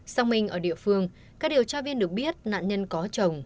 sau minh ở địa phương các điều tra viên được biết nạn nhân có chồng